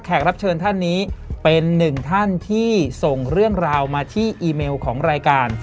รับเชิญท่านนี้เป็นหนึ่งท่านที่ส่งเรื่องราวมาที่อีเมลของรายการ